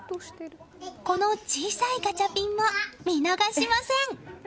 この小さいガチャピンも見逃しません！